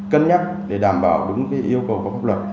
cân nhắc để đảm bảo đúng cái yêu cầu có pháp luật